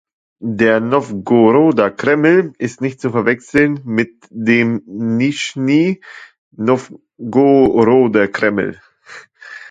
Der Nowgoroder Kreml ist nicht zu verwechseln mit dem Nischni Nowgoroder Kreml.